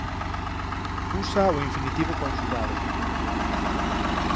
Usa o infinitivo conxugado.